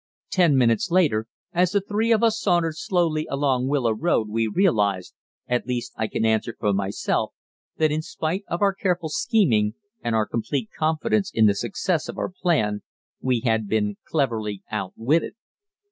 Ten minutes later, as the three of us sauntered slowly along Willow Road, we realized at least I can answer for myself that in spite of our careful scheming, and our complete confidence in the success of our plan, we had been cleverly outwitted.